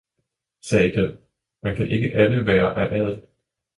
sagde den, man kan ikke alle være af adel!